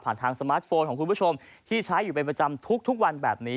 ทางสมาร์ทโฟนของคุณผู้ชมที่ใช้อยู่เป็นประจำทุกวันแบบนี้